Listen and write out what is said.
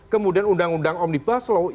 kemudian undang undang omnibus law